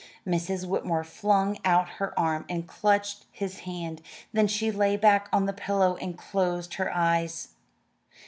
Mrs. Whitmore flung out her arm and clutched his hand; then she lay back on the pillow and closed her eyes.